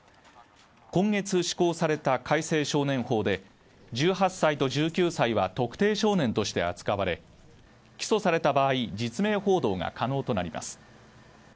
今月施行された改正少年法で１８歳と１９歳は特定少年として扱われ起訴された場合実名報道が可能となります